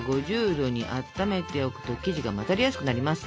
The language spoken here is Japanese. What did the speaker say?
℃にあっためておくと生地が混ざりやすくなります。